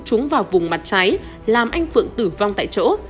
trúng vào vùng mặt trái làm anh phượng tử vong tại chỗ